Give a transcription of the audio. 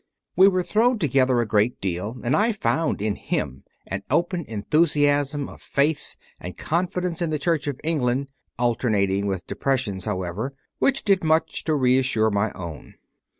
We were thrown together a great deal, and I found in him an open enthusiasm of faith and confidence in the Church of England (alternating with depressions, however) which did much to reassure my own.